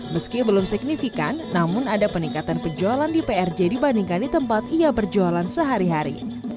meski belum signifikan namun ada peningkatan penjualan di prj dibandingkan di tempat ia berjualan sehari hari